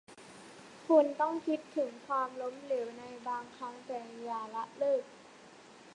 คุณต้องคิดถึงความล้มเหลวในบางครั้ง แต่อย่าละเลิก